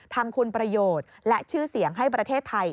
ทำคุณประโยชน์และชื่อเสียงให้ประเทศไทย